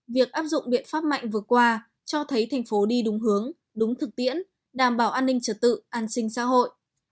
việc áp dụng biện pháp mạnh vừa qua cho thấy thành phố đi đúng hướng đúng thực tiễn đảm bảo an ninh trật tự an sinh xã hội